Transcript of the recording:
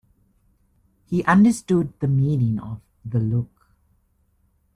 He understood the meaning of the look.